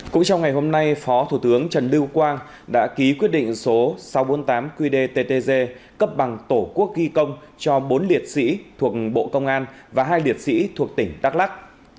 cũng trong ngày hôm nay phó thủ tướng trần lưu quang đã ký quyết định số sáu trăm bốn mươi tám qdttg cấp bằng tổ quốc ghi công cho bốn liệt sĩ thuộc bộ công an và hai liệt sĩ thuộc tỉnh đắk lắc